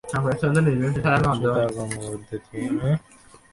মুশকিল হচ্ছে, তার কর্মপদ্ধতি আমাদের জানা নেই।